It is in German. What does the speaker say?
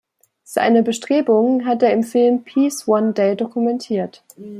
Seine Bestrebungen hat er im Film "Peace One Day" dokumentiert.